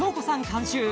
監修